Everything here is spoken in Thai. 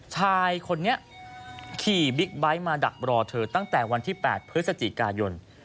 ชายคนนี้ขี่บิ๊กไบท์มาดักรอเธอตั้งแต่วันที่๘พฤศจิกายน